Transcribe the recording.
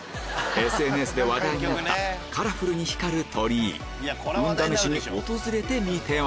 ＳＮＳで話題になったカラフルに光る鳥居運試しに訪れてみては？